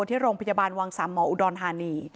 ที่โรงพยาบาลวังสามหมออุดรธานี